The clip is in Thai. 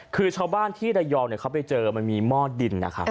คือชาวบ้านที่เรายอม้องไปเจอมีหม้อดิน